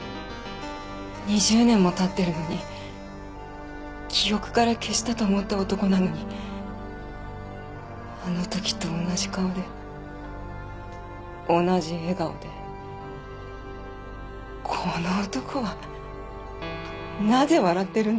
２０年も経ってるのに記憶から消したと思った男なのにあの時と同じ顔で同じ笑顔でこの男はなぜ笑ってるんだろうと思った。